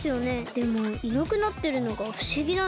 でもいなくなってるのがふしぎなんです。